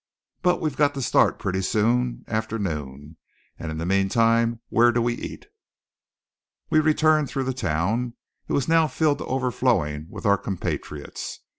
"But we've got to start pretty soon after noon, and in the meantime where do we eat?" We returned through the town. It was now filled to overflowing with our compatriots.